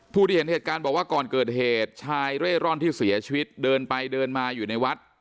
ที่เห็นเหตุการณ์บอกว่าก่อนเกิดเหตุชายเร่ร่อนที่เสียชีวิตเดินไปเดินมาอยู่ในวัด